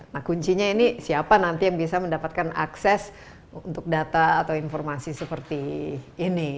nah kuncinya ini siapa nanti yang bisa mendapatkan akses untuk data atau informasi seperti ini